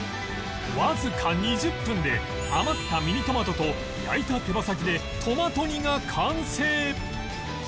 わずか２０分で余ったミニトマトと焼いた手羽先でトマト煮が完成